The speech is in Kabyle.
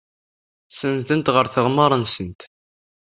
Senndent ɣef tɣemmar-nsent.